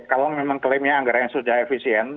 kalau memang klaimnya anggaran yang sudah efisien